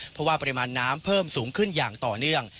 เพราะว่าปริมาณน้ำเพิ่มสูงขึ้นอย่างต่อเนื่อง